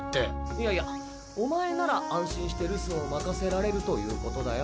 いやいやお前なら安心して留守を任せられるということだよ。